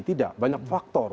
tidak banyak faktor